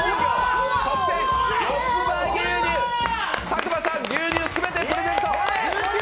佐久間さん、牛乳全てプレゼント！